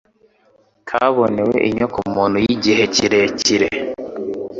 kabonewe inyokomuntu yigihe kirerekire